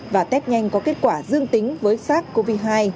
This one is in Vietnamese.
và test nhanh có kết quả dương tính với sars cov hai